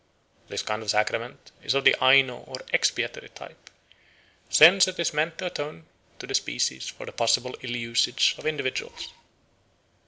This kind of sacrament is of the Aino or expiatory type, since it is meant to atone to the species for the possible ill usage of individuals.